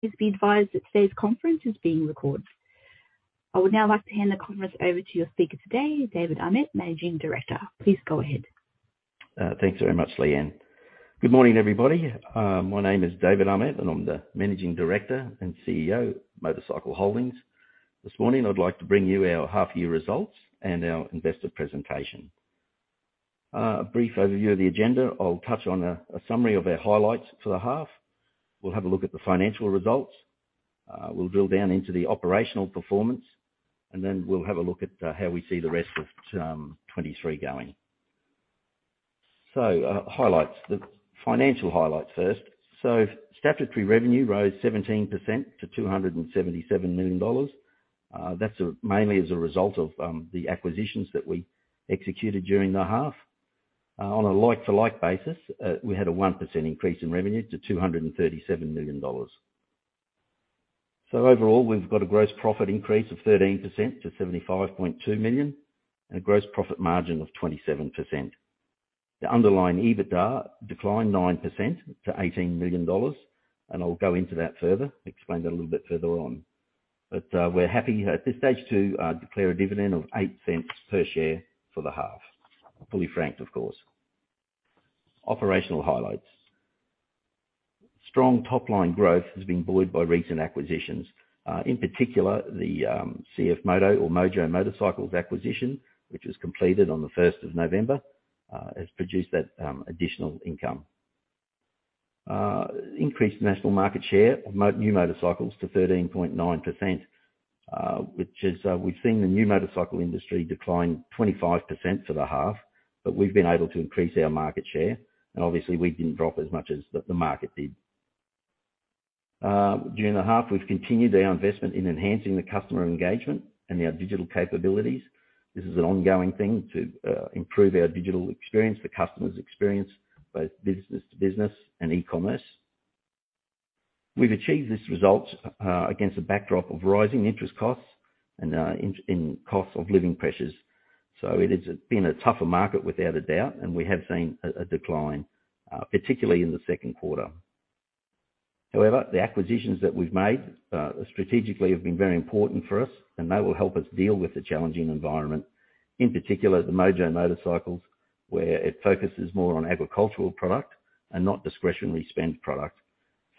Please be advised that today's conference is being recorded. I would now like to hand the conference over to your speaker today, David Ahmet, Managing Director. Please go ahead. Thanks very much, Leanne. Good morning, everybody. My name is David Ahmet, and I'm the Managing Director and CEO, MotorCycle Holdings. This morning, I'd like to bring you our half year results and our investor presentation. A brief overview of the agenda. I'll touch on a summary of our highlights for the half. We'll have a look at the financial results. We'll drill down into the operational performance, and then we'll have a look at how we see the rest of 2023 going. Highlights. The financial highlights first. Statutory revenue rose 17% to $277 million. That's mainly as a result of the acquisitions that we executed during the half. On a like-for-like basis, we had a 1% increase in revenue to $237 million. Overall, we've got a gross profit increase of 13% to 75.2 million and a gross profit margin of 27%. The underlying EBITDA declined 9% to 18 million dollars, and I'll go into that further, explain that a little bit further on. We're happy at this stage to declare a dividend of 0.08 per share for the half, fully franked, of course. Operational highlights. Strong top-line growth has been buoyed by recent acquisitions, in particular the CFMOTO or Mojo Motorcycles acquisition, which was completed on the 1st of November. It's produced that additional income. Increased national market share of new motorcycles to 13.9%, which is, we've seen the new motorcycle industry decline 25% for the half, but we've been able to increase our market share, and obviously we didn't drop as much as the market did. During the half, we've continued our investment in enhancing the customer engagement and our digital capabilities. This is an ongoing thing to improve our digital experience, the customer's experience, both business-to-business and e-commerce. We've achieved this result against a backdrop of rising interest costs and in cost of living pressures. It has been a tougher market without a doubt, and we have seen a decline particularly in the second quarter. The acquisitions that we've made strategically have been very important for us and they will help us deal with the challenging environment, in particular the Mojo Motorcycles, where it focuses more on agricultural product and not discretionary spend product.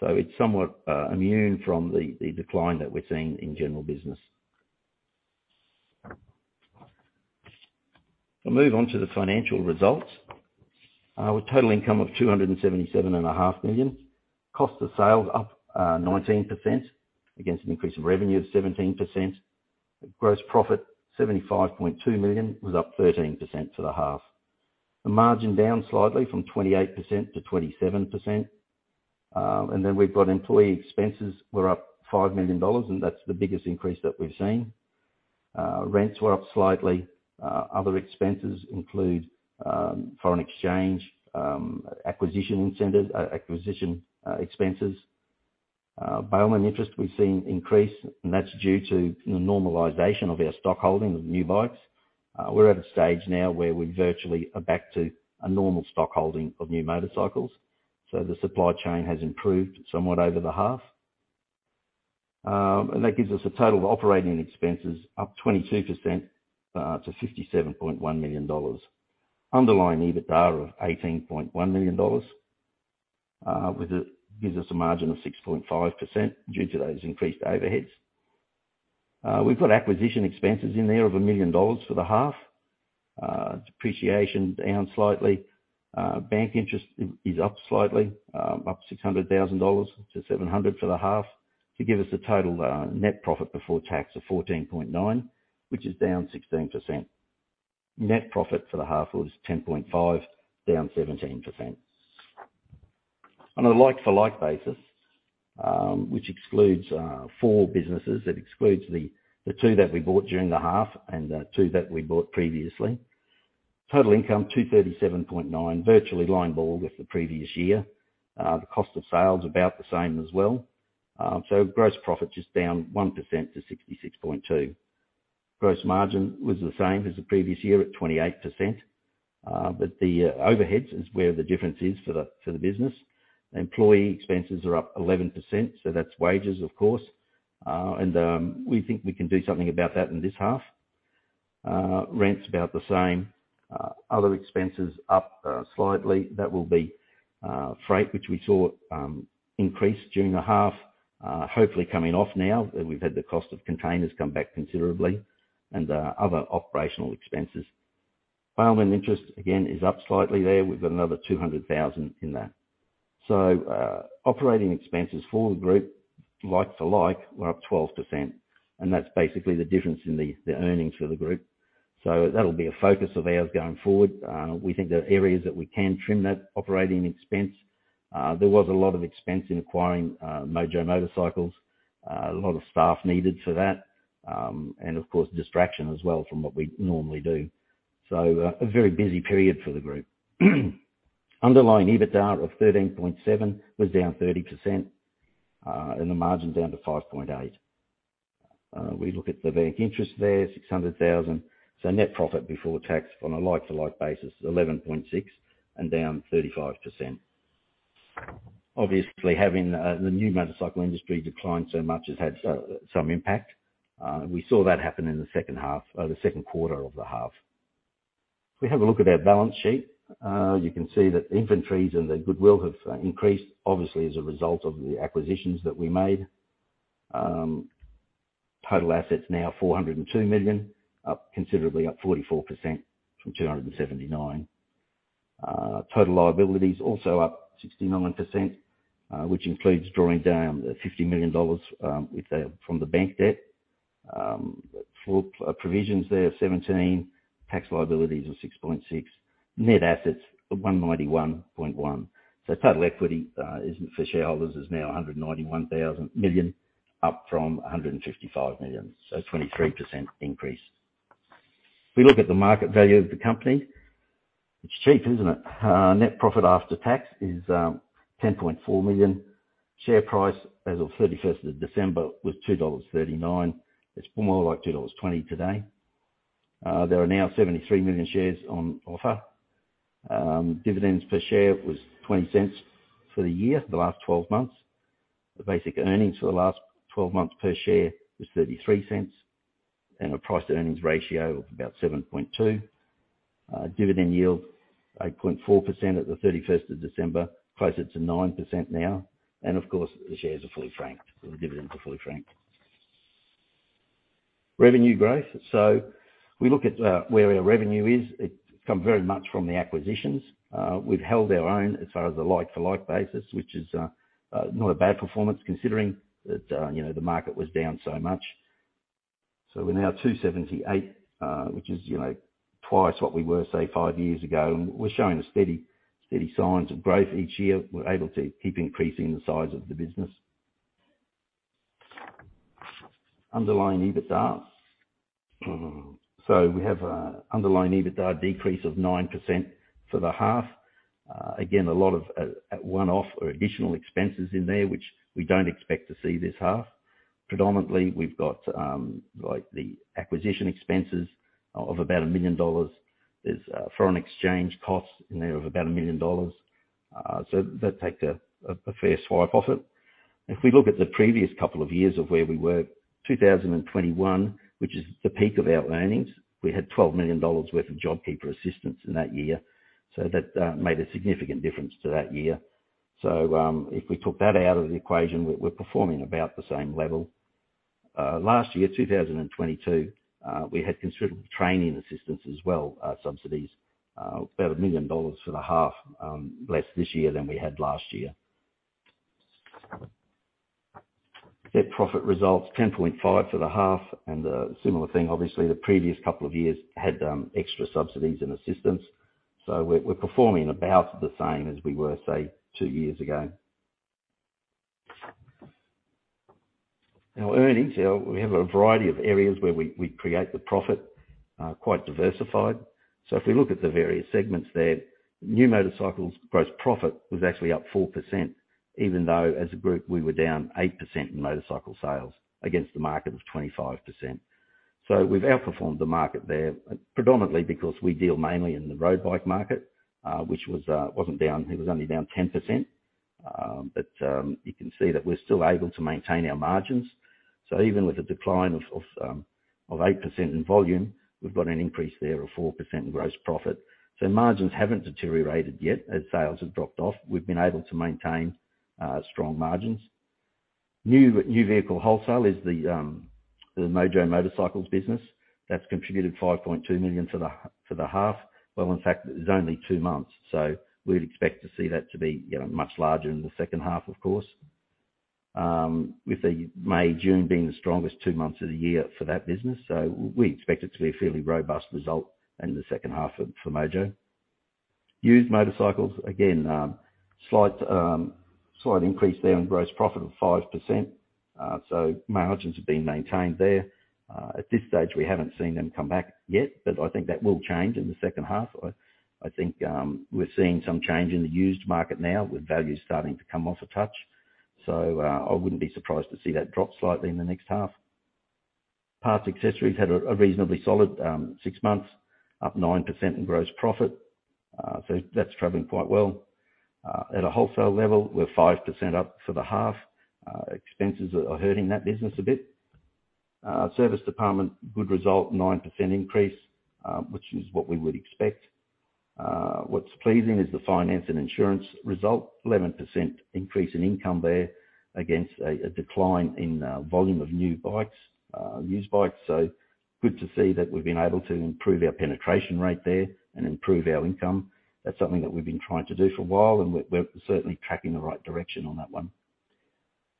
It's somewhat immune from the decline that we're seeing in general business. We'll move on to the financial results. With total income of 277.5 million. Cost of sales up 19% against an increase in revenue of 17%. Gross profit 75.2 million, was up 13% for the half. The margin down slightly from 28% to 27%. We've got employee expenses were up 5 million dollars, and that's the biggest increase that we've seen. Rents were up slightly. Other expenses include foreign exchange, acquisition incentives... Acquisition expenses. Bailment interest we've seen increase, and that's due to the normalization of our stock holding of new bikes. We're at a stage now where we virtually are back to a normal stock holding of new motorcycles. The supply chain has improved somewhat over the half. And that gives us a total of operating expenses up 22%, to $57.1 million. Underlying EBITDA of $18.1 million, with a gives us a margin of 6.5% due to those increased overheads. We've got acquisition expenses in there of $1 million for the half. Depreciation down slightly Bank interest is up slightly, up 600,000-700,000 dollars for the half to give us a total net profit before tax of 14.9 million, which is down 16%. Net profit for the half was 10.5 million, down 17%. On a like-for-like basis, which excludes four businesses. It excludes the two that we bought during the half and two that we bought previously. Total income 237.9 million, virtually line ball with the previous year. The cost of sales about the same as well. Gross profit just down 1% to 66.2 million. Gross margin was the same as the previous year at 28%. The overheads is where the difference is for the business. Employee expenses are up 11%, so that's wages of course. We think we can do something about that in this half. Rent's about the same. Other expenses up slightly. That will be freight, which we saw increase during the half, hopefully coming off now that we've had the cost of containers come back considerably and other operational expenses. Bailment interest again is up slightly there. We've got another 200,000 in that. Operating expenses for the group, like-for-like, we're up 12%. That's basically the difference in the earnings for the group. That'll be a focus of ours going forward. We think there are areas that we can trim that operating expense. There was a lot of expense in acquiring Mojo Motorcycles, a lot of staff needed for that, and of course distraction as well from what we normally do. A very busy period for the group. Underlying EBITDA of 13.7 was down 30%, and the margin's down to 5.8%. We look at the bank interest there, 600,000. Net profit before tax on a like-to-like basis, 11.6 and down 35%. Obviously, having the new motorcycle industry decline so much has had some impact. We saw that happen in the second half, the second quarter of the half. If we have a look at our balance sheet, you can see that the inventories and the goodwill have increased, obviously, as a result of the acquisitions that we made. Total assets now 402 million, up considerably, up 44% from 279 million. Total liabilities also up 69%, which includes drawing down the 50 million dollars from the bank debt. Full provisions there, 17 million. Tax liabilities of 6.6 million. Net assets of 191.1 million. Total equity, for shareholders, is now 191 million, up from 155 million. A 23% increase. If we look at the market value of the company, it's cheap, isn't it? Net profit after tax is 10.4 million. Share price as of 31st of December was 2.39 dollars. It's more like 2.20 dollars today. There are now 73 million shares on offer. Dividends per share was 0.20 for the year, for the last 12 months. The basic earnings for the last 12 months per share was 0.33, and a price-to-earnings ratio of about 7.2. Dividend yield, 8.4% at the 31st of December, closer to 9% now. Of course, the shares are fully franked. The dividends are fully franked. Revenue growth. We look at where our revenue is. It's come very much from the acquisitions. We've held our own as far as the like-for-like basis, which is, not a bad performance considering that, you know, the market was down so much. We're now 278, which is, you know, twice what we were, say, five years ago. We're showing a steady signs of growth each year. We're able to keep increasing the size of the business. Underlying EBITDA. We have a underlying EBITDA decrease of 9% for the half. Again, a lot of one-off or additional expenses in there which we don't expect to see this half. Predominantly, we've got the acquisition expenses of about 1 million dollars. There's foreign exchange costs in there of about 1 million dollars. That takes a fierce swipe off it. If we look at the previous couple of years of where we were, 2021, which is the peak of our earnings, we had 12 million dollars worth of JobKeeper assistance in that year. That made a significant difference to that year. If we took that out of the equation, we're performing about the same level. Last year, 2022, we had considerable training assistance as well, subsidies, about 1 million dollars for the half, less this year than we had last year. Net profit results, 10.5 for the half. A similar thing, obviously, the previous couple of years had extra subsidies and assistance. We're performing about the same as we were, say, two years ago. Our earnings, we have a variety of areas where we create the profit, quite diversified. If we look at the various segments there, new motorcycles gross profit was actually up 4%, even though as a group, we were down 8% in motorcycle sales against the market of 25%. We've outperformed the market there, predominantly because we deal mainly in the road bike market, which wasn't down. It was only down 10%. You can see that we're still able to maintain our margins. Even with a decline of 8% in volume, we've got an increase there of 4% in gross profit. Margins haven't deteriorated yet as sales have dropped off. We've been able to maintain strong margins. New vehicle wholesale is the Mojo Motorcycles business that's contributed 5.2 million to the half. In fact, it's only two months, we'd expect to see that to be, you know, much larger in the second half, of course. With the May-June being the strongest two months of the year for that business, we expect it to be a fairly robust result in the second half of, for Mojo. Used motorcycles, again, slight increase there on gross profit of 5%. Margins have been maintained there. At this stage, we haven't seen them come back yet, but I think that will change in the second half. I think we're seeing some change in the used market now with values starting to come off a touch. I wouldn't be surprised to see that drop slightly in the next half. Parts/accessories had a reasonably solid six months, up 9% in gross profit. That's traveling quite well. At a wholesale level, we're 5% up for the half. Expenses are hurting that business a bit. Service department, good result, 9% increase, which is what we would expect. What's pleasing is the finance and insurance result. 11% increase in income there against a decline in volume of new bikes, used bikes. Good to see that we've been able to improve our penetration rate there and improve our income. That's something that we've been trying to do for a while, and we're certainly tracking the right direction on that one.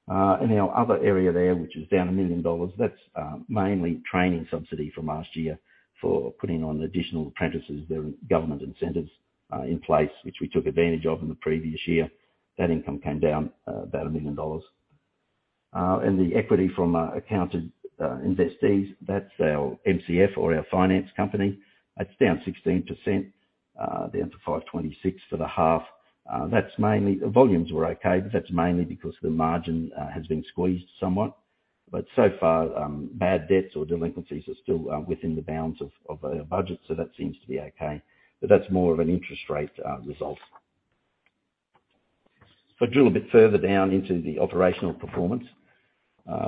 Our other area there, which is down 1 million dollars, that's mainly training subsidy from last year for putting on additional apprentices. There are government incentives in place which we took advantage of in the previous year. That income came down about 1 million dollars. The equity from accounted investees, that's our MCF or our finance company. That's down 16%. Down to 526 for the half. The volumes were okay, but that's mainly because the margin has been squeezed somewhat. So far, bad debts or delinquencies are still within the bounds of our budget, so that seems to be okay. That's more of an interest rate result. If I drill a bit further down into the operational performance,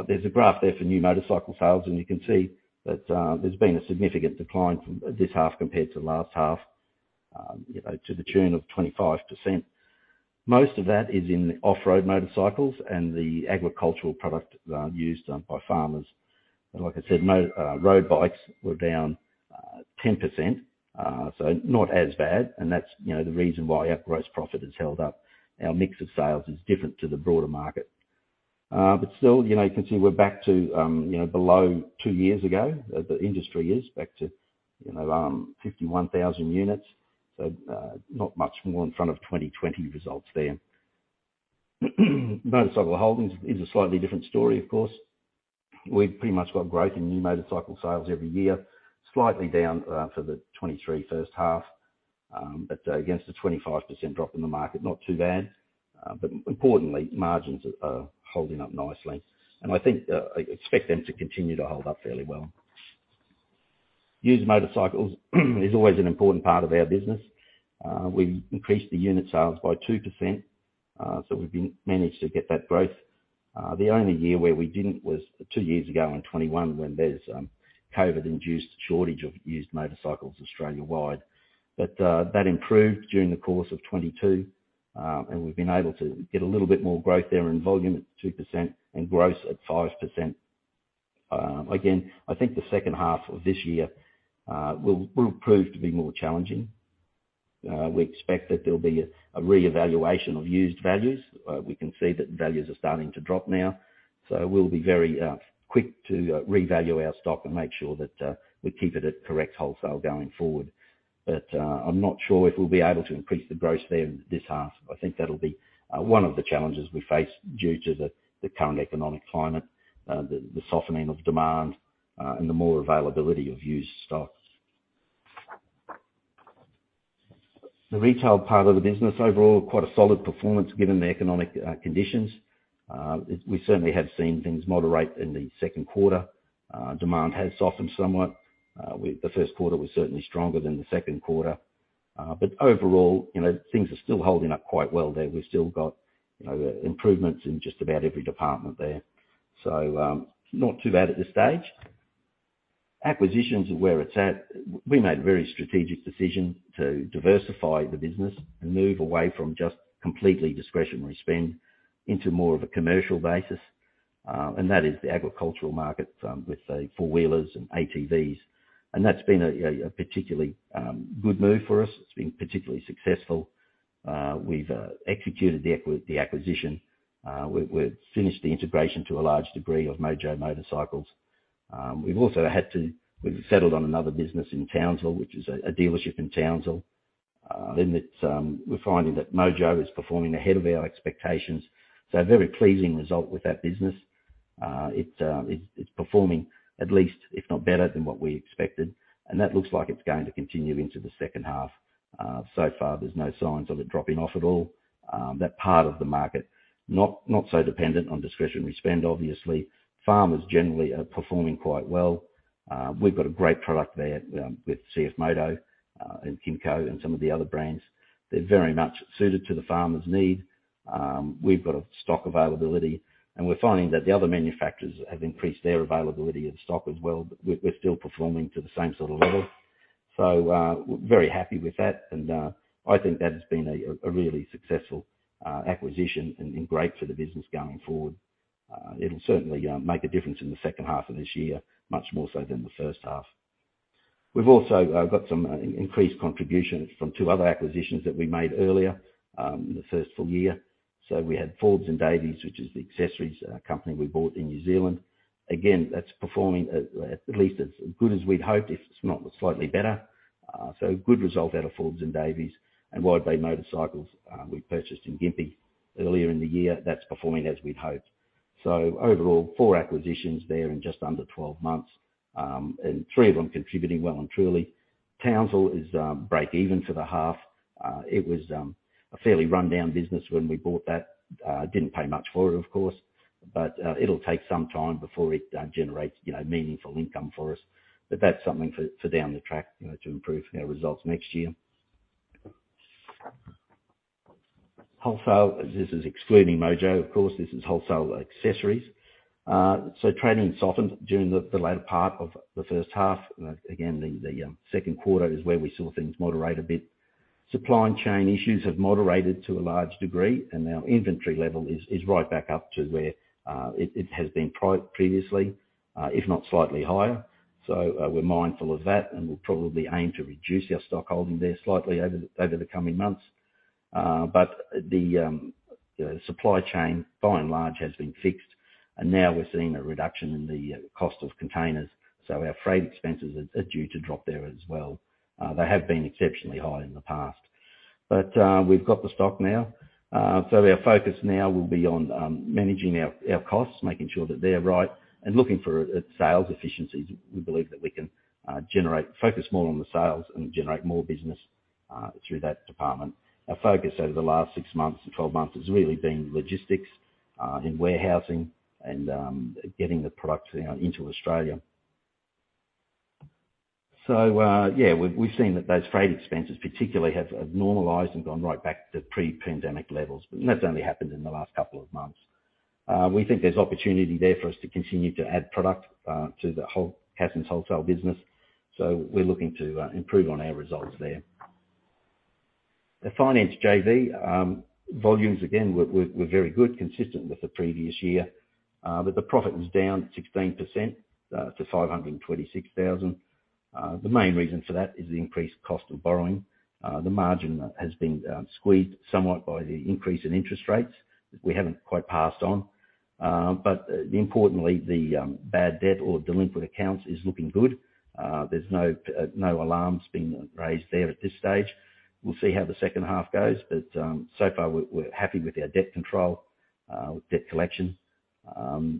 there's a graph there for new motorcycle sales, and you can see that there's been a significant decline from this half compared to last half, you know, to the tune of 25%. Most of that is in off-road motorcycles and the agricultural product used by farmers. Like I said, road bikes were down 10%, so not as bad. That's, you know, the reason why our gross profit has held up. Our mix of sales is different to the broader market. Still, you know, you can see we're back to, you know, below two years ago, the industry is back to, you know, 51,000 units. Not much more in front of 2020 results there. MotorCycle Holdings is a slightly different story, of course. We've pretty much got growth in new motorcycle sales every year, slightly down for the 2023 first half, but against a 25% drop in the market, not too bad. Importantly, margins are holding up nicely. I think I expect them to continue to hold up fairly well. Used motorcycles is always an important part of our business. We've increased the unit sales by 2%, so we've been managed to get that growth. The only year where we didn't was two years ago in 2021 when there's COVID-induced shortage of used motorcycles Australia-wide. That improved during the course of 2022, and we've been able to get a little bit more growth there in volume at 2% and gross at 5%. Again, I think the second half of this year will prove to be more challenging. We expect that there'll be a reevaluation of used values. We can see that values are starting to drop now. We'll be very quick to revalue our stock and make sure that we keep it at correct wholesale going forward. I'm not sure if we'll be able to increase the gross there this half. I think that'll be one of the challenges we face due to the current economic climate, the softening of demand, and the more availability of used stocks. The retail part of the business, overall, quite a solid performance given the economic conditions. We certainly have seen things moderate in the second quarter. Demand has softened somewhat. The first quarter was certainly stronger than the second quarter. Overall, you know, things are still holding up quite well there. We've still got, you know, improvements in just about every department there. Not too bad at this stage. Acquisitions are where it's at. We made a very strategic decision to diversify the business and move away from just completely discretionary spend into more of a commercial basis. That is the agricultural market with the 4-wheelers and ATVs. That's been a particularly good move for us. It's been particularly successful. We've executed the acquisition. We've finished the integration to a large degree of Mojo Motorcycles. We've also settled on another business in Townsville, which is a dealership in Townsville. In that, we're finding that Mojo is performing ahead of our expectations. A very pleasing result with that business. It's performing at least, if not better than what we expected, and that looks like it's going to continue into the second half. So far, there's no signs of it dropping off at all. That part of the market, not so dependent on discretionary spend, obviously. Farmers generally are performing quite well. We've got a great product there, with CFMOTO, and KYMCO and some of the other brands. They're very much suited to the farmer's need. We've got a stock availability, and we're finding that the other manufacturers have increased their availability of stock as well, but we're still performing to the same sort of level. Very happy with that. I think that's been a really successful acquisition and great for the business going forward. It'll certainly make a difference in the second half of this year, much more so than the first half. We've also got some increased contributions from two other acquisitions that we made earlier in the first full year. We had Forbes and Davies, which is the accessories company we bought in New Zealand. Again, that's performing at least as good as we'd hoped, if it's not slightly better. Good result out of Forbes and Davies. Wide Bay Motorcycles, we purchased in Gympie earlier in the year. That's performing as we'd hoped. Overall, four acquisitions there in just under 12 months, and three of them contributing well and truly. Townsville is break even for the half. It was a fairly rundown business when we bought that. Didn't pay much for it, of course, but it'll take some time before it generates, you know, meaningful income for us. That's something for down the track, you know, to improve our results next year. Wholesale, this is excluding Mojo, of course. This is wholesale accessories. Trading softened during the second quarter is where we saw things moderate a bit. Supply and chain issues have moderated to a large degree, and our inventory level is right back up to where it has been previously, if not slightly higher. We're mindful of that, and we'll probably aim to reduce our stock holding there slightly over the coming months. The supply chain, by and large, has been fixed, and now we're seeing a reduction in the cost of containers. Our freight expenses are due to drop there as well. They have been exceptionally high in the past. We've got the stock now. Our focus now will be on managing our costs, making sure that they're right, and looking for sales efficiencies. We believe that we can focus more on the sales and generate more business through that department. Our focus over the last six months to 12 months has really been logistics, in warehousing and getting the products, you know, into Australia. We've seen that those freight expenses particularly have normalized and gone right back to pre-pandemic levels, but that's only happened in the last two months. We think there's opportunity there for us to continue to add product to the Cassons wholesale business, we're looking to improve on our results there. The finance JV, volumes again were very good, consistent with the previous year, the profit was down 16%, to 526,000. The main reason for that is the increased cost of borrowing. The margin has been squeezed somewhat by the increase in interest rates that we haven't quite passed on. Importantly, the bad debt or delinquent accounts is looking good. There's no alarms being raised there at this stage. We'll see how the second half goes, so far we're happy with our debt control, with debt collection.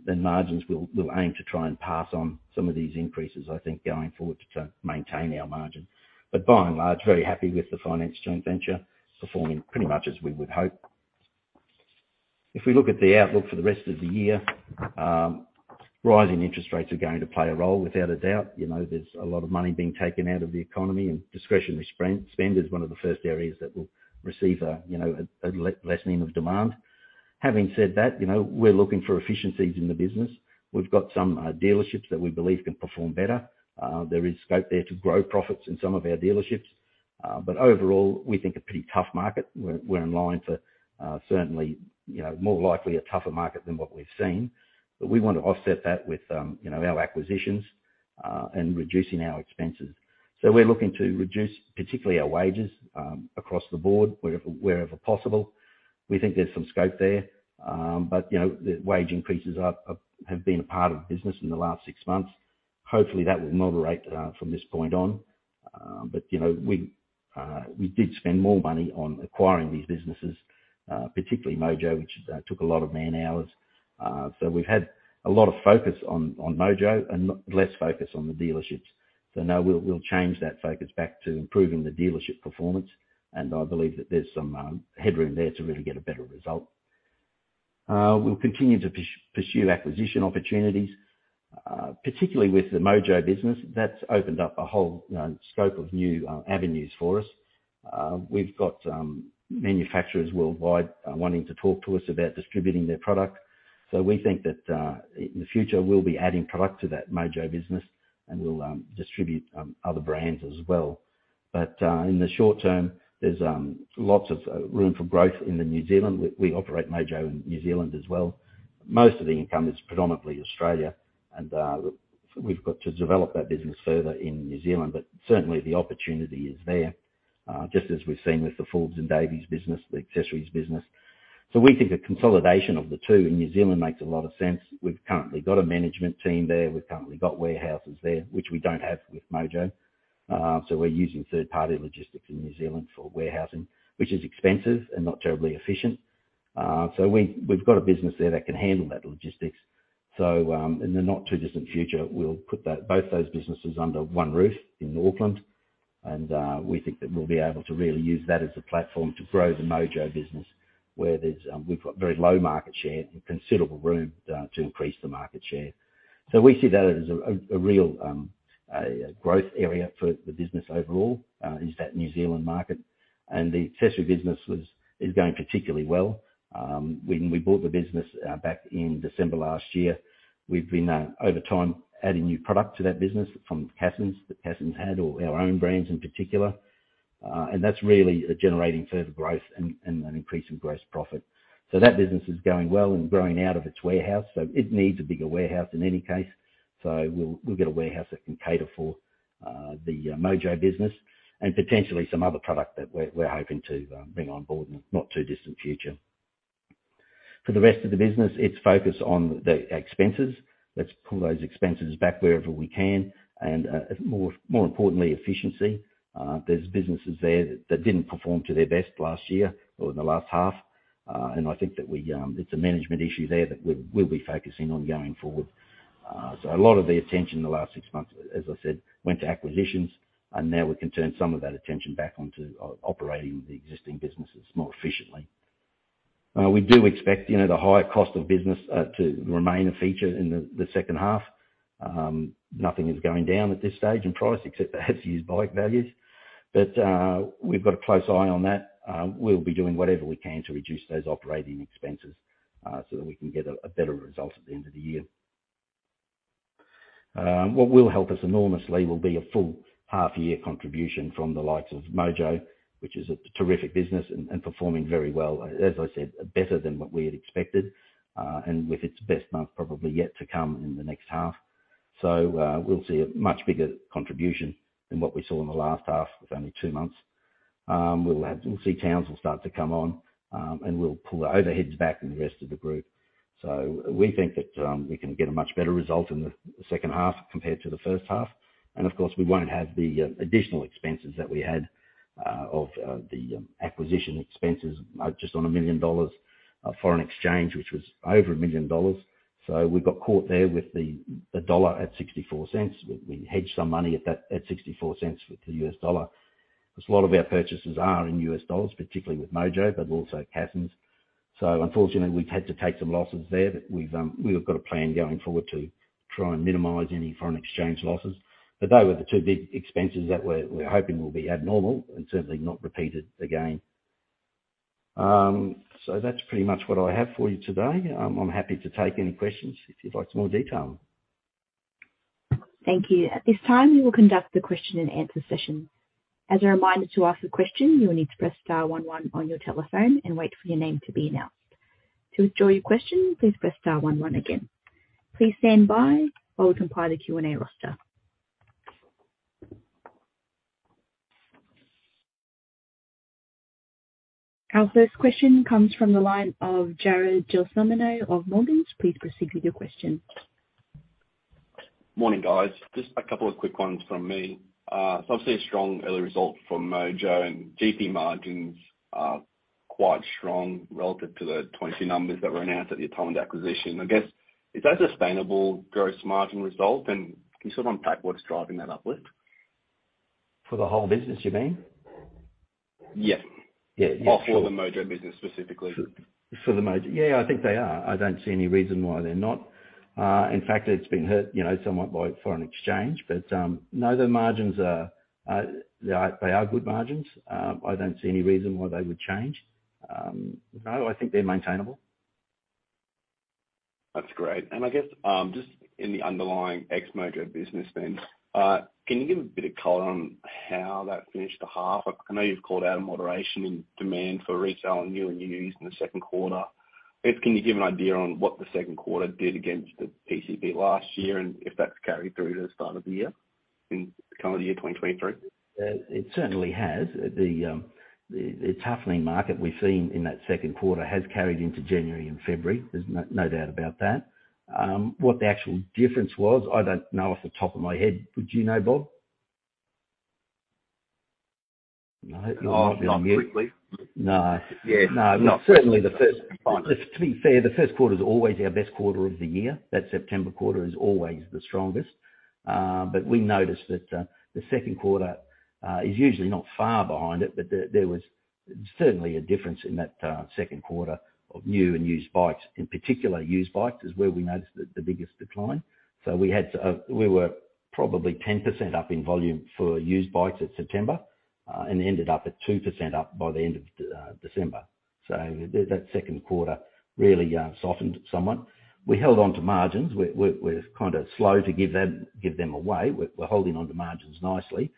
Margins we'll aim to try and pass on some of these increases, I think, going forward to maintain our margin. By and large, very happy with the finance joint venture. Performing pretty much as we would hope. If we look at the outlook for the rest of the year, rising interest rates are going to play a role without a doubt. You know, there's a lot of money being taken out of the economy and discretionary spend is one of the first areas that will receive a, you know, a lessening of demand. Having said that, you know, we're looking for efficiencies in the business. We've got some dealerships that we believe can perform better. There is scope there to grow profits in some of our dealerships. Overall, we think a pretty tough market. We're, we're in line for, certainly, you know, more likely a tougher market than what we've seen. We want to offset that with, you know, our acquisitions, and reducing our expenses. We're looking to reduce particularly our wages, across the board wherever possible. We think there's some scope there. You know, the wage increases are have been a part of the business in the last six months. Hopefully, that will moderate from this point on. You know, we did spend more money on acquiring these businesses, particularly Mojo, which took a lot of man-hours. We've had a lot of focus on Mojo and less focus on the dealerships. Now we'll change that focus back to improving the dealership performance, and I believe that there's some headroom there to really get a better result. We'll continue to pursue acquisition opportunities, particularly with the Mojo business. That's opened up a whole scope of new avenues for us. We've got manufacturers worldwide wanting to talk to us about distributing their product. We think that in the future, we'll be adding product to that Mojo business and we'll distribute other brands as well. In the short term, there's lots of room for growth in the New Zealand. We operate Mojo in New Zealand as well. Most of the income is predominantly Australia and we've got to develop that business further in New Zealand, but certainly the opportunity is there just as we've seen with the Forbes and Davies business, the accessories business. We think a consolidation of the two in New Zealand makes a lot of sense. We've currently got a management team there. We've currently got warehouses there, which we don't have with Mojo. We're using third-party logistics in New Zealand for warehousing, which is expensive and not terribly efficient. We've got a business there that can handle that logistics. In the not-too-distant future, we'll put both those businesses under one roof in Auckland. We think that we'll be able to really use that as a platform to grow the Mojo business where there's very low market share and considerable room to increase the market share. We see that as a real growth area for the business overall, is that New Zealand market. The accessory business is going particularly well. When we bought the business, back in December last year, we've been over time, adding new product to that business from Cassons, that Cassons had or our own brands in particular. That's really generating further growth and an increase in gross profit. That business is going well and growing out of its warehouse. It needs a bigger warehouse in any case. We'll get a warehouse that can cater for the Mojo business and potentially some other product that we're hoping to bring on board in the not-too-distant future. For the rest of the business, it's focused on the expenses. Let's pull those expenses back wherever we can, and more, more importantly, efficiency. There's businesses there that didn't perform to their best last year or in the last half. I think that we, it's a management issue there that we'll be focusing on going forward. A lot of the attention in the last six months, as I said, went to acquisitions, and now we can turn some of that attention back onto operating the existing businesses more efficiently. We do expect, you know, the higher cost of business to remain a feature in the second half. Nothing is going down at this stage in price except the used bike values. We've got a close eye on that. We'll be doing whatever we can to reduce those operating expenses that we can get a better result at the end of the year. What will help us enormously will be a full half-year contribution from the likes of Mojo, which is a terrific business and performing very well. As I said, better than what we had expected, and with its best month probably yet to come in the next half. We'll see a much bigger contribution than what we saw in the last half with only two months. We'll see Townsville start to come on, and we'll pull the overheads back in the rest of the group. We think that we can get a much better result in the second half compared to the first half. Of course, we won't have the additional expenses that we had of the acquisition expenses, just on 1 million dollars of foreign exchange, which was over 1 million dollars. We got caught there with the dollar at 0.64 cents. We hedged some money at that, at 0.64 cents with the US dollar. A lot of our purchases are in US dollars, particularly with Mojo, but also Cassons. Unfortunately, we've had to take some losses there. We've got a plan going forward to try and minimize any foreign exchange losses. They were the two big expenses that we're hoping will be abnormal and certainly not repeated again. That's pretty much what I have for you today. I'm happy to take any questions if you'd like some more detail. Thank you. At this time, we will conduct the question-and-answer session. As a reminder, to ask a question, you will need to press star one one on your telephone and wait for your name to be announced. To withdraw your question, please press star one one again. Please stand by while we compile the Q&A roster. Our first question comes from the line of Jared Gelsomino of Morgans. Please proceed with your question. Morning, guys. Just a couple of quick ones from me. Obviously a strong early result from Mojo and GP margins are quite strong relative to the 2022 numbers that were announced at the time of the acquisition. I guess, is that a sustainable gross margin result? Can you sort of unpack what's driving that uplift? For the whole business, you mean? Yeah. Yeah. Yeah, sure. For the Mojo business specifically. For the Mojo. Yeah, I think they are. I don't see any reason why they're not. In fact, it's been hurt, you know, somewhat by foreign exchange. No, the margins are They are good margins. I don't see any reason why they would change. No, I think they're maintainable. That's great. I guess, just in the underlying ex-Mojo business then, can you give a bit of color on how that finished the half? I know you've called out a moderation in demand for resale on new and used in the second quarter. I guess, can you give an idea on what the second quarter did against the PCP last year and if that's carried through to the start of the year, in calendar year 2023? It certainly has. The toughening market we've seen in that second quarter has carried into January and February. There's no doubt about that. What the actual difference was, I don't know off the top of my head. Would you know, Bob? No, you might be on mute. Oh, not quickly. No. Yeah, no. To be fair, the first quarter is always our best quarter of the year. That September quarter is always the strongest. We noticed that the second quarter is usually not far behind it, there was certainly a difference in that second quarter of new and used bikes. In particular, used bikes is where we noticed the biggest decline. We had, we were probably 10% up in volume for used bikes at September, and ended up at 2% up by the end of December. That second quarter really softened somewhat. We held on to margins. We're kinda slow to give them away. We're holding on to margins nicely.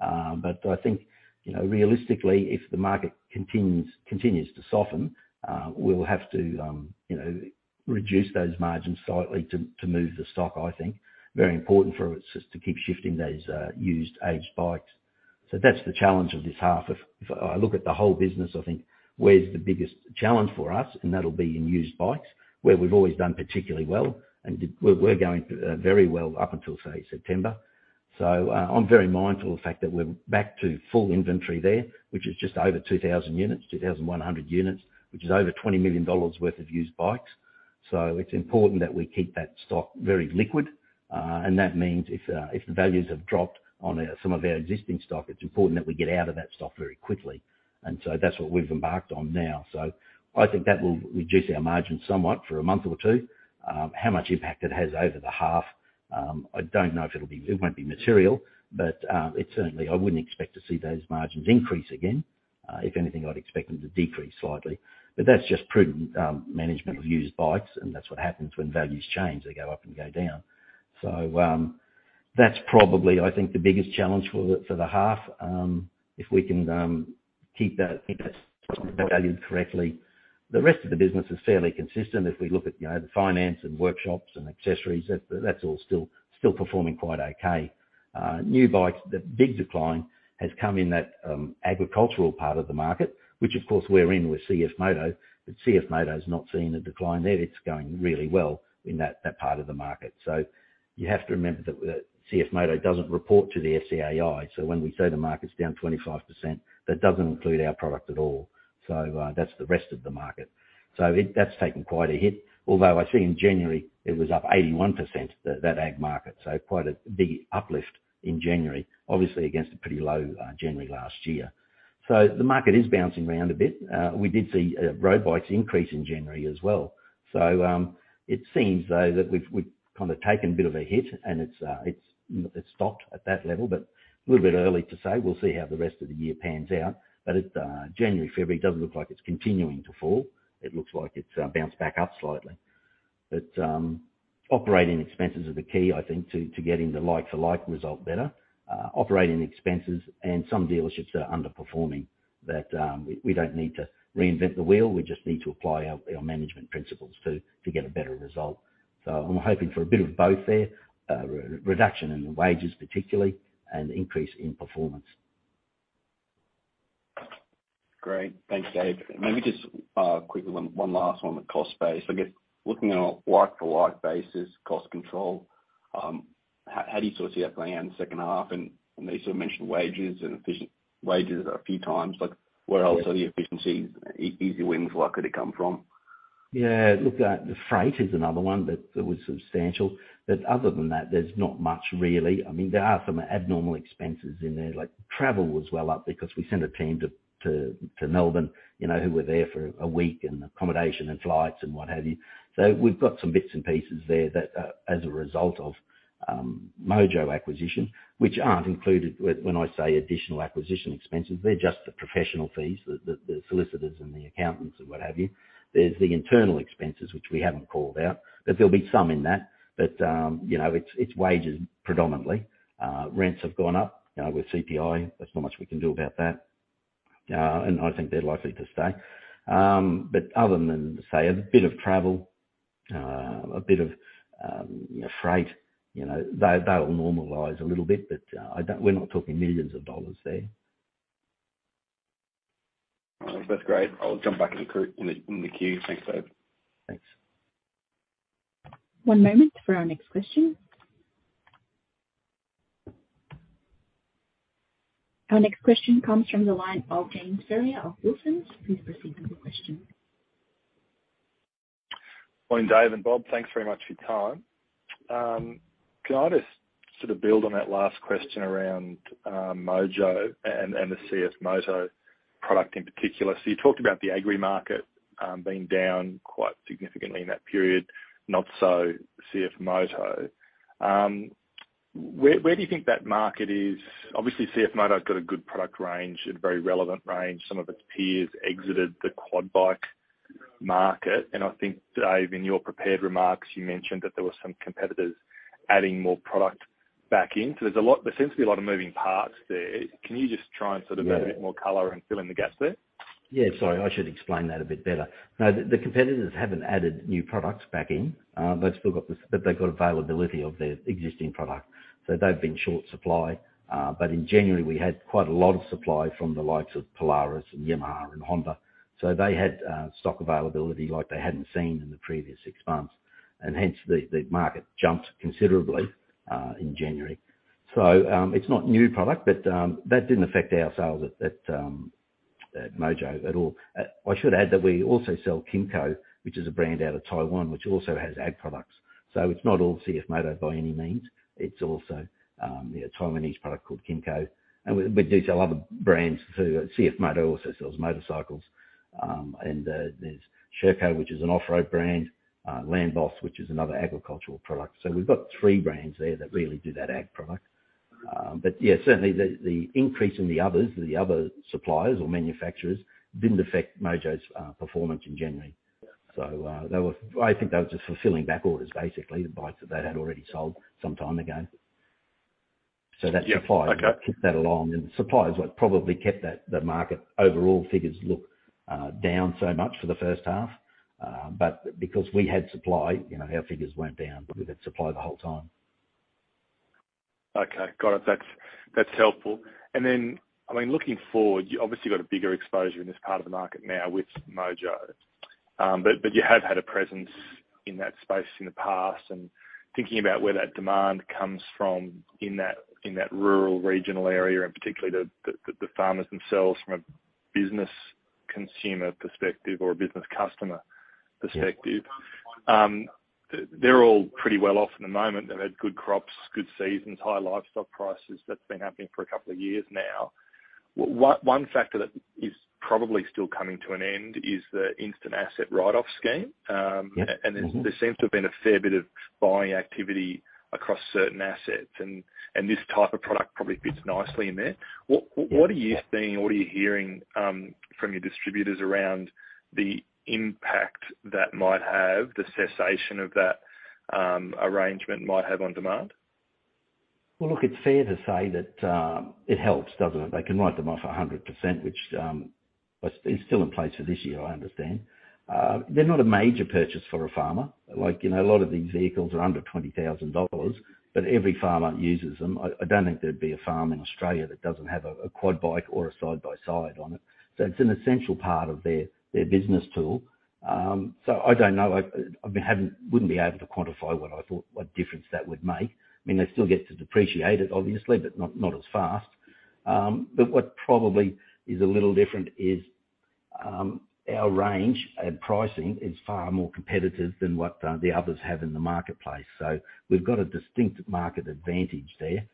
I think, you know, realistically, if the market continues to soften, we'll have to, you know, reduce those margins slightly to move the stock, I think. Very important for us just to keep shifting those used aged bikes. That's the challenge of this half. If I look at the whole business, I think where's the biggest challenge for us, that'll be in used bikes, where we've always done particularly well, we're going very well up until, say, September. I'm very mindful of the fact that we're back to full inventory there, which is just over 2,000 units, 2,100 units, which is over 20 million dollars worth of used bikes. It's important that we keep that stock very liquid. That means if the values have dropped on, some of our existing stock, it's important that we get out of that stock very quickly. That's what we've embarked on now. I think that will reduce our margins somewhat for a month or two. How much impact it has over the half, I don't know if it'll be... It won't be material, but, it certainly, I wouldn't expect to see those margins increase again. If anything, I'd expect them to decrease slightly. That's just prudent management of used bikes, and that's what happens when values change. They go up and go down. That's probably, I think, the biggest challenge for the, for the half. If we can, keep that valued correctly. The rest of the business is fairly consistent. If we look at, you know, the finance and workshops and accessories, that's all still performing quite okay. New bikes, the big decline has come in that agricultural part of the market, which of course we're in with CFMOTO, but CFMOTO's not seeing a decline there. It's going really well in that part of the market. You have to remember that CFMOTO doesn't report to the FCAI. When we say the market's down 25%, that doesn't include our product at all. That's the rest of the market. That's taken quite a hit. Although I see in January it was up 81%, the, that ag market. Quite a big uplift in January, obviously against a pretty low January last year. The market is bouncing around a bit. We did see road bikes increase in January as well. It seems though that we've kinda taken a bit of a hit and it's stopped at that level, but a little bit early to say. We'll see how the rest of the year pans out. January, February, it doesn't look like it's continuing to fall. It looks like it's bounced back up slightly. Operating expenses are the key, I think, to getting the like-for-like result better. Operating expenses and some dealerships are underperforming that we don't need to reinvent the wheel, we just need to apply our management principles to get a better result. I'm hoping for a bit of both there. Re-reduction in the wages particularly and increase in performance. Great. Thanks, Dave. Maybe just quickly one last one on the cost base. I guess, looking at a like-to-like basis cost control, how do you sort of see that playing out in the second half? You sort of mentioned wages and efficient wages a few times, like where else are the efficiencies, easy wins, where could it come from? Yeah. Look, the freight is another one that was substantial. Other than that, there's not much really. I mean, there are some abnormal expenses in there, like travel was well up because we sent a team to Melbourne, you know, who were there for a week, and accommodation and flights and what have you. We've got some bits and pieces there that as a result of Mojo acquisition, which aren't included when I say additional acquisition expenses. They're just the professional fees, the solicitors and the accountants and what have you. There's the internal expenses which we haven't called out, but there'll be some in that. You know, it's wages predominantly. Rents have gone up with CPI. There's not much we can do about that. I think they're likely to stay. Other than, say, a bit of travel, a bit of, freight, you know, they'll normalize a little bit, but, we're not talking millions of dollars there. All right. That's great. I'll jump back in the queue. Thanks, Dave. Thanks. One moment for our next question. Our next question comes from the line of James Ferrier of Wilsons. Please proceed with your question. Morning, Dave and Bob. Thanks very much for your time. Can I just sort of build on that last question around Mojo and the CFMOTO product in particular? You talked about the agri market being down quite significantly in that period, not so CFMOTO. Where do you think that market is? Obviously, CFMOTO's got a good product range, a very relevant range. Some of its peers exited the quad bike market, and I think, Dave, in your prepared remarks, you mentioned that there were some competitors adding more product back in. There seems to be a lot of moving parts there. Can you just try and sort of. Yeah. Add a bit more color and fill in the gaps there? Yeah, sorry. I should explain that a bit better. No, the competitors haven't added new products back in. They've still got but they've got availability of their existing product, so they've been short supply. In January, we had quite a lot of supply from the likes of Polaris and Yamaha and Honda. They had stock availability like they hadn't seen in the previous six months. Hence the market jumped considerably in January. It's not new product, but that didn't affect our sales at Mojo at all. I should add that we also sell KYMCO, which is a brand out of Taiwan, which also has ag products. It's not all CFMOTO by any means. It's also a Taiwanese product called KYMCO, and we detail other brands too. CFMOTO also sells motorcycles, and there's SHERCO which is an off-road brand, Landboss which is another agricultural product. We've got three brands there that really do that ag product. Yeah, certainly the increase in the others, the other suppliers or manufacturers didn't affect Mojo's performance in January. Yeah. I think they were just fulfilling back orders, basically, the bikes that they had already sold some time ago. Yeah. Okay. kept that along, suppliers were probably kept that, the market overall figures look down so much for the first half. Because we had supply, you know, our figures weren't down, but we've had supply the whole time. Okay. Got it. That's, that's helpful. I mean, looking forward, you obviously got a bigger exposure in this part of the market now with Mojo. You have had a presence in that space in the past, thinking about where that demand comes from in that rural regional area, particularly the farmers themselves from a business consumer perspective or a business customer perspective. Yeah. They're all pretty well off at the moment. They've had good crops, good seasons, high livestock prices. That's been happening for a couple of years now. One factor that is probably still coming to an end is the instant asset write-off scheme. Yeah. Mm-hmm. There seems to have been a fair bit of buying activity across certain assets and this type of product probably fits nicely in there. What are you seeing or what are you hearing from your distributors around the impact that might have, the cessation of that arrangement might have on demand? Well, look, it's fair to say that it helps, doesn't it? They can write them off 100%, which is still in place for this year, I understand. They're not a major purchase for a farmer. Like, you know, a lot of these vehicles are under 20,000 dollars, but every farmer uses them. I don't think there'd be a farm in Australia that doesn't have a quad bike or a side-by-side on it. So it's an essential part of their business tool. So I don't know. I wouldn't be able to quantify what I thought what difference that would make. I mean, they still get to depreciate it, obviously, but not as fast. What probably is a little different is our range and pricing is far more competitive than what the others have in the marketplace. We've got a distinct market advantage there.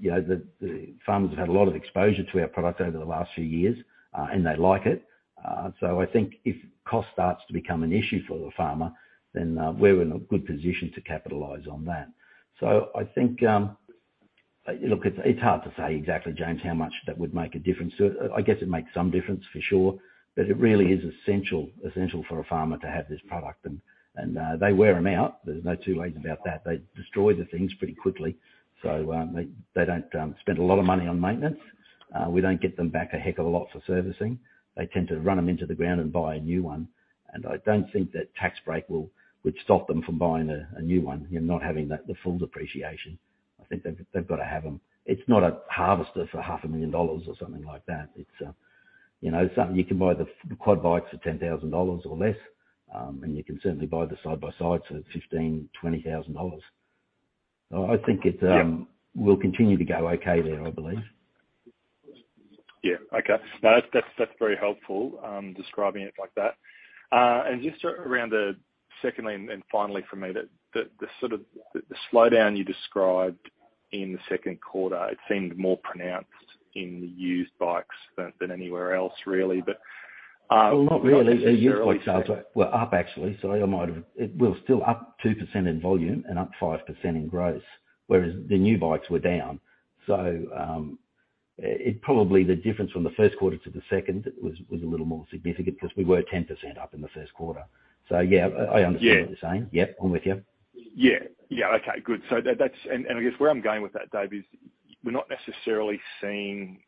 You know, the farmers have had a lot of exposure to our products over the last few years, and they like it. I think if cost starts to become an issue for the farmer, then we're in a good position to capitalize on that. I think, look, it's hard to say exactly, James, how much that would make a difference to it. I guess it makes some difference for sure, it really is essential for a farmer to have this product and they wear them out. There's no two ways about that. They destroy the things pretty quickly. They don't spend a lot of money on maintenance. We don't get them back a heck of a lot for servicing. They tend to run them into the ground and buy a new one. I don't think that tax break would stop them from buying a new one, you know, not having that, the full depreciation. I think they've gotta have them. It's not a harvester for AUD 0.5 a million or something like that. It's, you know, something you can buy the quad bikes for 10,000 dollars or less, and you can certainly buy the side-by-sides at 15-20,000 dollars. I think it. Yeah. Will continue to go okay there, I believe. Yeah. Okay. No. That's very helpful, describing it like that. Just around the secondly, and finally from me that the sort of the slowdown you described in the second quarter, it seemed more pronounced in the used bikes than anywhere else really, but, not necessarily Well, not really. The used bike sales were up actually, so I might have... It was still up 2% in volume and up 5% in gross, whereas the new bikes were down. It probably the difference from the first quarter to the second was a little more significant because we were 10% up in the first quarter. Yeah, I. Yeah. What you're saying. Yep. I'm with you. Yeah. Yeah. Okay, good. I guess where I'm going with that, David, is we're not necessarily seeing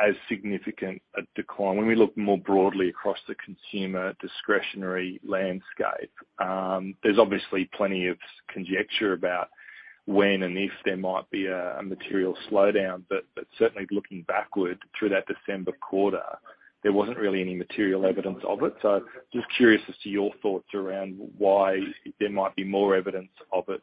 as significant a decline when we look more broadly across the consumer discretionary landscape. There's obviously plenty of conjecture about when and if there might be a material slowdown, but certainly looking backward through that December quarter, there wasn't really any material evidence of it. Just curious as to your thoughts around why there might be more evidence of it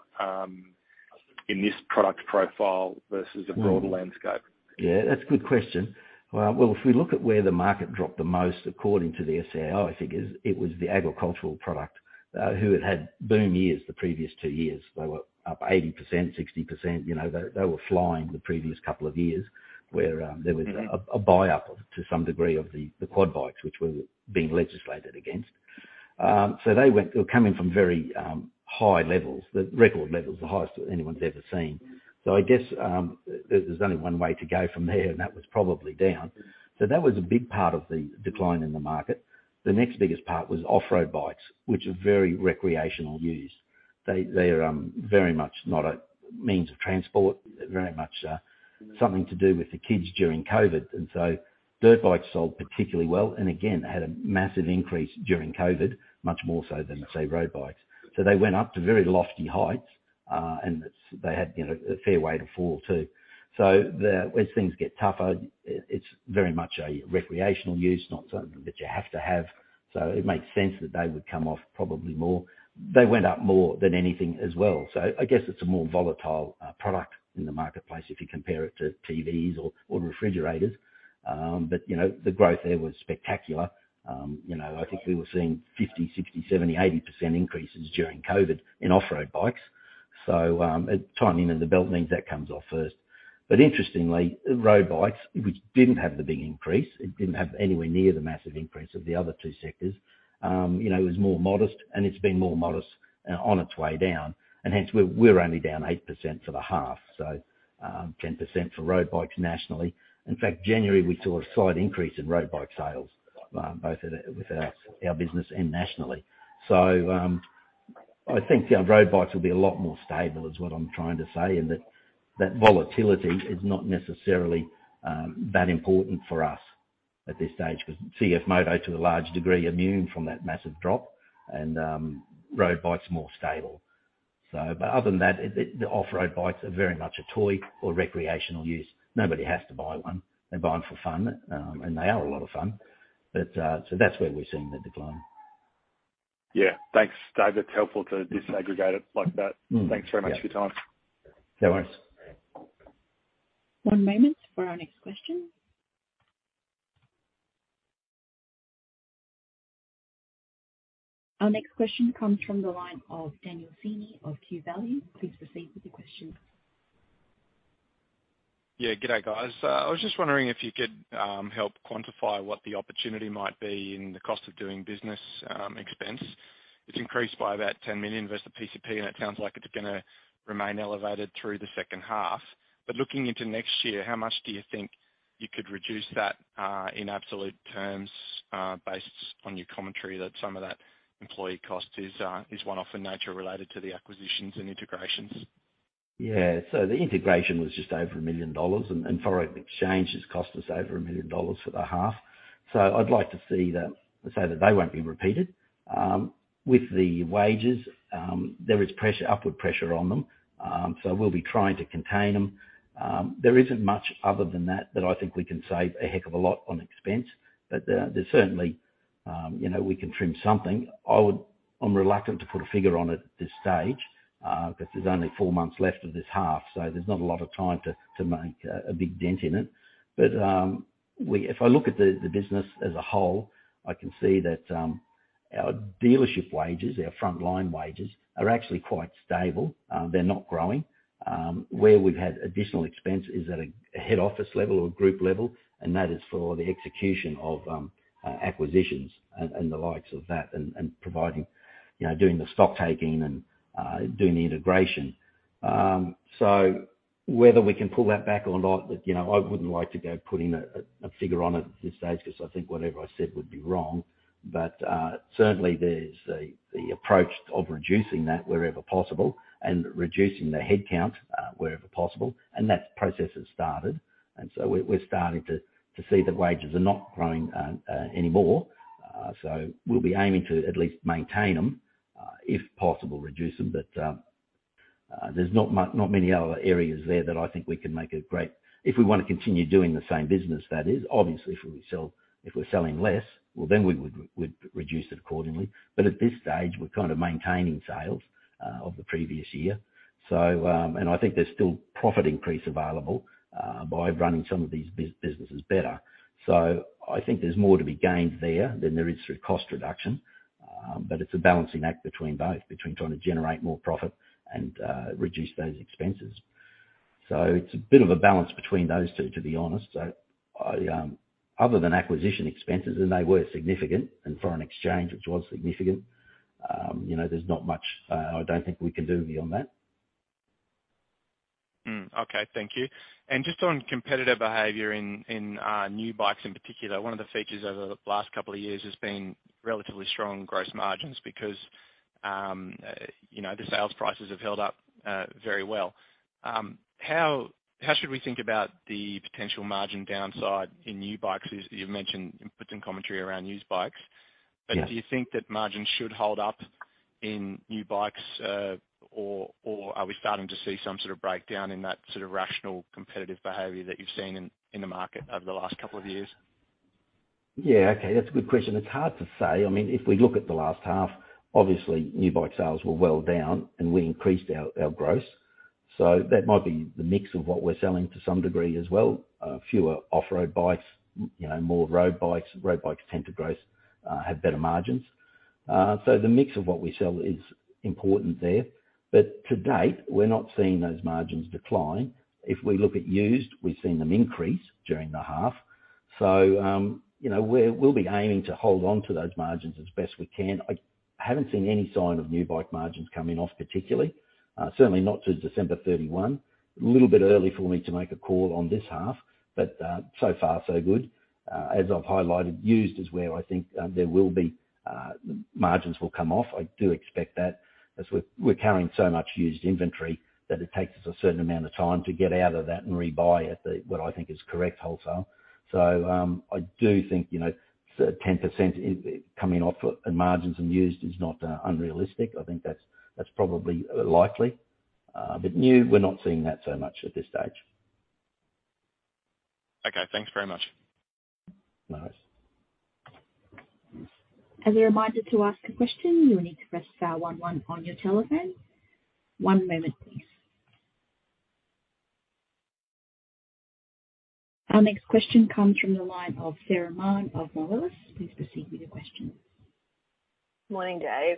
in this product profile versus the broader landscape. Yeah. That's a good question. If we look at where the market dropped the most according to the SAO figures, it was the agricultural product who had had boom years the previous two years. They were up 80%, 60%. You know, they were flying the previous couple of years, where there was a buy-up to some degree of the quad bikes which were being legislated against. They were coming from very high levels, the record levels, the highest anyone's ever seen. I guess there's only one way to go from there, and that was probably down. That was a big part of the decline in the market. The next biggest part was off-road bikes, which are very recreational use. They're very much not a means of transport. Very much, something to do with the kids during COVID. Dirt bikes sold particularly well, and again, had a massive increase during COVID, much more so than, say, road bikes. They went up to very lofty heights, and they had, you know, a fair way to fall too. As things get tougher, it's very much a recreational use, not something that you have to have. It makes sense that they would come off probably more. They went up more than anything as well. I guess it's a more volatile product in the marketplace if you compare it to TVs or refrigerators. You know, the growth there was spectacular. You know, I think we were seeing 50%, 60%, 70%, 80% increases during COVID in off-road bikes. Tightening of the belt means that comes off first. Interestingly, road bikes, which didn't have the big increase, it didn't have anywhere near the massive increase of the other two sectors, you know, it was more modest and it's been more modest on its way down. Hence we're only down 8% for the half, so 10% for road bikes nationally. In fact, January, we saw a slight increase in road bike sales, both with our business and nationally. I think road bikes will be a lot more stable, is what I'm trying to say, in that that volatility is not necessarily that important for us at this stage 'cause CFMOTO to a large degree immune from that massive drop and road bike's more stable. But other than that, it, the off-road bikes are very much a toy or recreational use. Nobody has to buy one. They buy them for fun, and they are a lot of fun. That's where we're seeing the decline. Yeah. Thanks, David. That's helpful to disaggregate it like that. Yeah. Thanks very much for your time. No worries. One moment for our next question. Our next question comes from the line of Daniel Seneey of QValue. Please proceed with your question. Yeah. Good day, guys. I was just wondering if you could help quantify what the opportunity might be in the cost of doing business expense. It's increased by about 10 million versus PCP. It sounds like it's gonna remain elevated through the second half. Looking into next year, how much do you think you could reduce that in absolute terms, based on your commentary that some of that employee cost is one-off in nature related to the acquisitions and integrations? The integration was just over 1 million dollars, and foreign exchange has cost us over 1 million dollars for the half. I'd like to say that they won't be repeated. With the wages, there is pressure, upward pressure on them. We'll be trying to contain them. There isn't much other than that that I think we can save a heck of a lot on expense. There's certainly, you know, we can trim something. I'm reluctant to put a figure on it at this stage, 'cause there's only four months left of this half, there's not a lot of time to make a big dent in it. We... If I look at the business as a whole, I can see that our dealership wages, our frontline wages are actually quite stable. They're not growing. Where we've had additional expense is at a head office level or group level, and that is for the execution of acquisitions and the likes of that and providing, you know, doing the stock taking and doing the integration. Whether we can pull that back or not, but you know, I wouldn't like to go putting a figure on it at this stage because I think whatever I said would be wrong. Certainly there's the approach of reducing that wherever possible and reducing the headcount wherever possible, and that process has started. We're starting to see that wages are not growing anymore. We'll be aiming to at least maintain them, if possible, reduce them. There's not many other areas there that I think we can make a great. If we wanna continue doing the same business that is. Obviously, if we're selling less, well, then we would reduce it accordingly. At this stage, we're kind of maintaining sales of the previous year. I think there's still profit increase available by running some of these businesses better. I think there's more to be gained there than there is through cost reduction. It's a balancing act between both, between trying to generate more profit and reduce those expenses. It's a bit of a balance between those two, to be honest. Other than acquisition expenses, and they were significant, and foreign exchange, which was significant, you know, there's not much I don't think we can do beyond that. Okay. Thank you. Just on competitive behavior in new bikes in particular, one of the features over the last couple of years has been relatively strong gross margins because, you know, the sales prices have held up very well. How should we think about the potential margin downside in used bikes? You've mentioned and put some commentary around used bikes. Yeah. Do you think that margins should hold up in new bikes, or are we starting to see some sort of breakdown in that sort of rational, competitive behavior that you've seen in the market over the last couple of years? Yeah. Okay. That's a good question. It's hard to say. I mean, if we look at the last half, obviously new bike sales were well down and we increased our gross. That might be the mix of what we're selling to some degree as well. Fewer off-road bikes, you know, more road bikes. Road bikes tend to gross, have better margins. The mix of what we sell is important there. To date, we're not seeing those margins decline. If we look at used, we've seen them increase during the half. You know, we'll be aiming to hold onto those margins as best we can. I haven't seen any sign of new bike margins coming off particularly, certainly not through December 31. A little bit early for me to make a call on this half, but so far so good. As I've highlighted, used is where I think there will be margins will come off. I do expect that as we're carrying so much used inventory, that it takes us a certain amount of time to get out of that and rebuy at what I think is correct wholesale. I do think, you know, 10% coming off margins in used is not unrealistic. I think that's probably likely. New, we're not seeing that so much at this stage. Okay. Thanks very much. No worries. As a reminder, to ask a question, you will need to press star one one on your telephone. One moment, please. Our next question comes from the line of Sarah Mann of Moelis. Please proceed with your question. Morning, guys.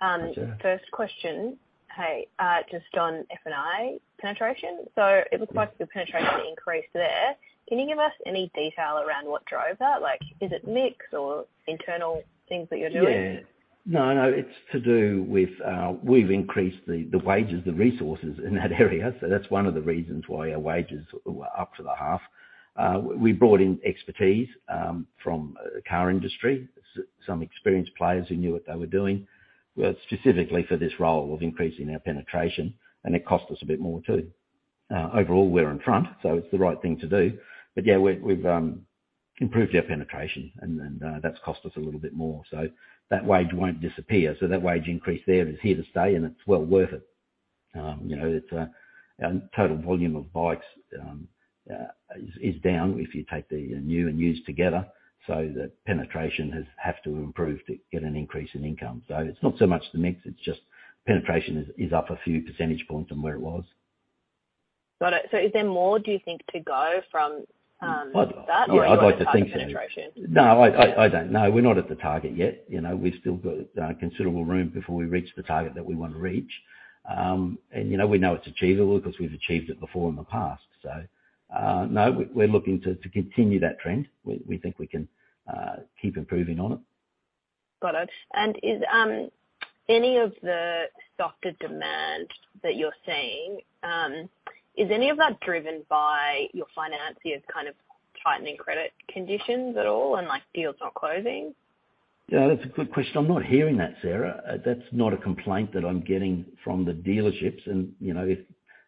Hi, Sarah. First question. Hey, just on F&I penetration. Mm-hmm. The penetration increased there. Can you give us any detail around what drove that? Like, is it mix or internal things that you're doing? Yeah. No, no, it's to do with, we've increased the wages, the resources in that area. That's one of the reasons why our wages were up for the half. We brought in expertise, from the car industry, some experienced players who knew what they were doing, specifically for this role of increasing our penetration, and it cost us a bit more too. Overall we're in front, so it's the right thing to do. Yeah, we've, improved our penetration and, that's cost us a little bit more. That wage won't disappear. That wage increase there is here to stay, and it's well worth it. You know, it's, our total volume of bikes, is down if you take the new and used together. The penetration has have to improve to get an increase in income. It's not so much the mix, it's just penetration is up a few percentage points than where it was. Got it. Is there more do you think to go from that? I'd, yeah, I'd like to think so. Are you at the target penetration? No, I don't. No, we're not at the target yet. You know, we've still got considerable room before we reach the target that we wanna reach. You know, we know it's achievable 'cause we've achieved it before in the past. No, we're looking to continue that trend. We think we can keep improving on it. Got it. Is any of the softer demand that you're seeing driven by your financiers kind of tightening credit conditions at all and, like, deals not closing? Yeah, that's a good question. I'm not hearing that, Sarah. That's not a complaint that I'm getting from the dealerships and, you know,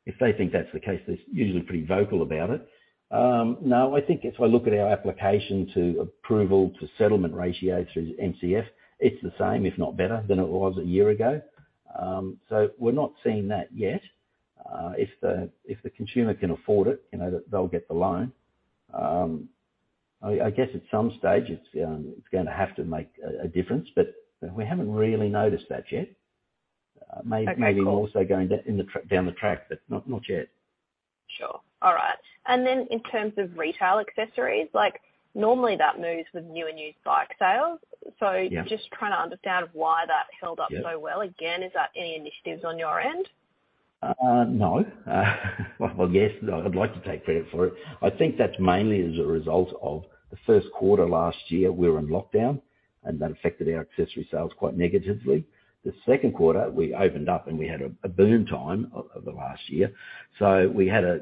if they think that's the case, they're usually pretty vocal about it. No, I think if I look at our application to approval to settlement ratio through MCF, it's the same if not better than it was a year ago. We're not seeing that yet. If the, if the consumer can afford it, you know, they'll get the loan. I guess at some stage it's gonna have to make a difference, we haven't really noticed that yet. Okay, cool. May be also going down the track, but not yet. Sure. All right. In terms of retail accessories, like normally that moves with new and used bike sales. Yeah. Just trying to understand why that held up. Yeah. Well. Again, is that any initiatives on your end? No. Well, yes, I'd like to take credit for it. I think that's mainly as a result of the first quarter last year, we were in lockdown and that affected our accessory sales quite negatively. The second quarter we opened up and we had a boom time over the last year. We had a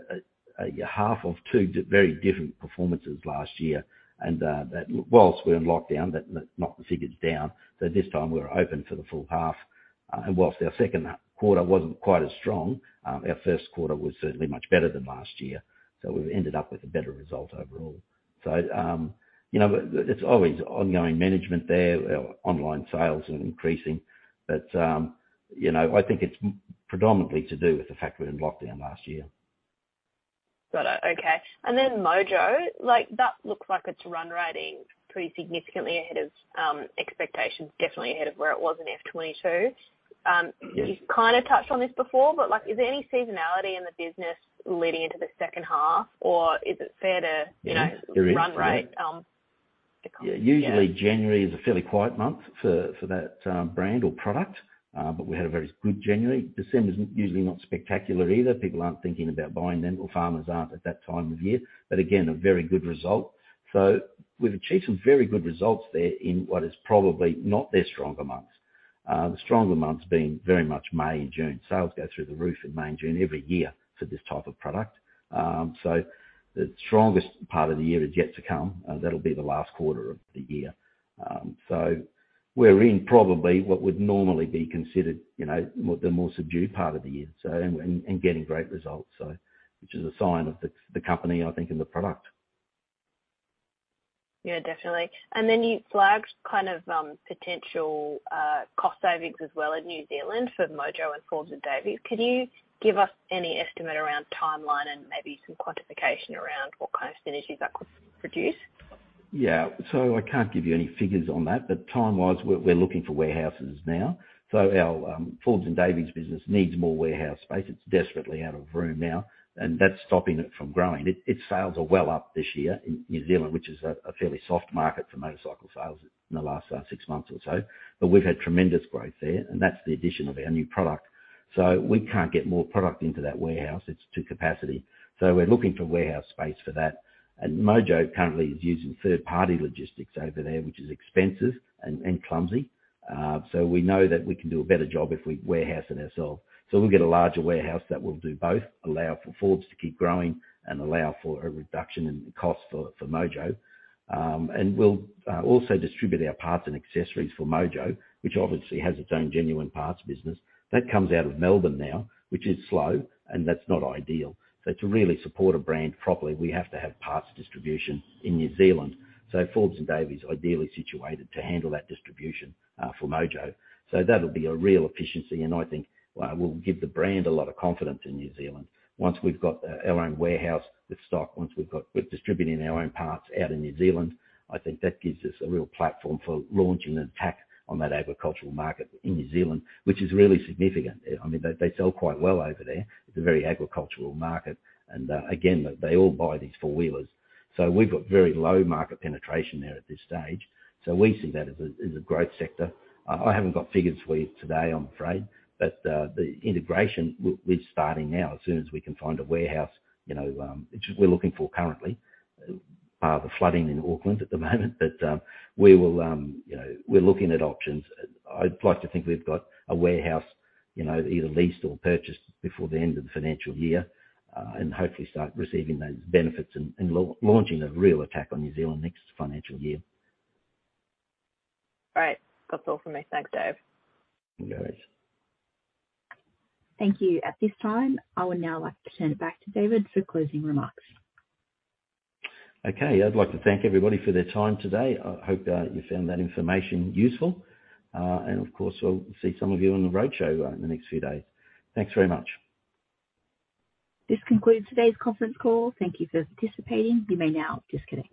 half of two very different performances last year and that whilst we're in lockdown, that knocked the figures down. This time we were open for the full half, and whilst our second quarter wasn't quite as strong, our first quarter was certainly much better than last year, so we've ended up with a better result overall. You know, it's always ongoing management there. Our online sales are increasing, but, you know, I think it's predominantly to do with the fact we're in lockdown last year. Got it. Okay. Mojo, like that looks like it's run rating pretty significantly ahead of expectations, definitely ahead of where it was in FY 2022. Mm-hmm. You've kinda touched on this before, but like is there any seasonality in the business leading into the second half? Is it fair to- Yes, there is. You know, run rate, the company, yeah. Yeah. Usually January is a fairly quiet month for that brand or product. We had a very good January. December's usually not spectacular either. People aren't thinking about buying them or farmers aren't at that time of year. Again, a very good result. We've achieved some very good results there in what is probably not their stronger months. The stronger months being very much May and June. Sales go through the roof in May and June every year for this type of product. The strongest part of the year is yet to come. That'll be the last quarter of the year. We're in probably what would normally be considered, you know, the more subdued part of the year and getting great results, which is a sign of the company, I think, and the product. Yeah, definitely. You flagged kind of potential cost savings as well in New Zealand for Mojo and Forbes and Davies. Could you give us any estimate around timeline and maybe some quantification around what kind of synergies that could produce? Yeah. I can't give you any figures on that, but time-wise we're looking for warehouses now. Our Forbes and Davies business needs more warehouse space. It's desperately out of room now, and that's stopping it from growing. Its sales are well up this year in New Zealand, which is a fairly soft market for motorcycle sales in the last six months or so. We've had tremendous growth there, and that's the addition of our new product. We can't get more product into that warehouse. It's to capacity. We're looking for warehouse space for that. Mojo currently is using third party logistics over there, which is expensive and clumsy. We know that we can do a better job if we warehouse it ourselves. We'll get a larger warehouse that will do both, allow for Forbes to keep growing and allow for a reduction in cost for Mojo. We'll also distribute our parts and accessories for Mojo, which obviously has its own genuine parts business. That comes out of Melbourne now, which is slow and that's not ideal. To really support a brand properly, we have to have parts distribution in New Zealand. Forbes and Davies ideally situated to handle that distribution for Mojo. That'll be a real efficiency and I think will give the brand a lot of confidence in New Zealand. Once we've got our own warehouse with stock, once we've got we're distributing our own parts out in New Zealand, I think that gives us a real platform for launching an attack on that agricultural market in New Zealand, which is really significant. I mean, they sell quite well over there. It's a very agricultural market and again, they all buy these 4-wheelers. We've got very low market penetration there at this stage, so we see that as a, as a growth sector. I haven't got figures for you today, I'm afraid, but the integration we're starting now. As soon as we can find a warehouse, you know, which we're looking for currently. Bar the flooding in Auckland at the moment, but we will, you know, we're looking at options. I'd like to think we've got a warehouse, you know, either leased or purchased before the end of the financial year. Hopefully start receiving those benefits and launching a real attack on New Zealand next financial year. All right. That's all for me. Thanks, Dave. No worries. Thank you. At this time, I would now like to turn it back to David for closing remarks. Okay. I'd like to thank everybody for their time today. I hope you found that information useful. Of course, we'll see some of you on the roadshow in the next few days. Thanks very much. This concludes today's conference call. Thank you for participating. You may now disconnect.